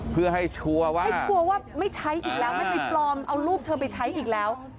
เพื่อให้ชัวร์ไว้ไม่ชัวร์ว่าไม่ใช้อีกแล้วไม่ไปปลอมเอารูปเธอไปใช้อีกแล้ว